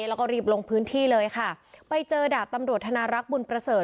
แล้วก็รีบลงพื้นที่เลยค่ะไปเจอดาบตำรวจธนารักษ์บุญประเสริฐ